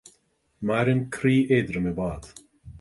Maireann croí éadrom i bhfad